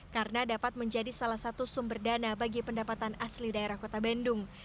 karena dapat menjadi salah satu sumber dana bagi pendapatan asli daerah kota bandung